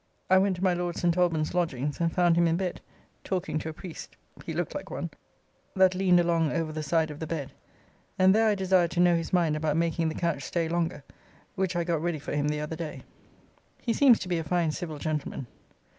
I went to my Lord St. Albans lodgings, and found him in bed, talking to a priest (he looked like one) that leaned along over the side of the bed, and there I desired to know his mind about making the catch stay longer, which I got ready for him the other day. He seems to be a fine civil gentleman.